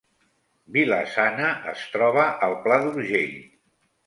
Vila-sana es troba al Pla d’Urgell